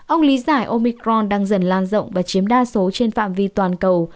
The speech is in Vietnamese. ông lý giải omicron đang dần lan rộng và chiếm đa số trên phạm vi toàn cầu